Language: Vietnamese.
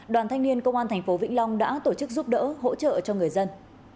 đoàn thanh niên công an tp vĩnh long đã tổ chức giúp đỡ hỗ trợ cho người dân